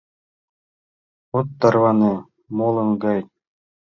От тарване молын гай.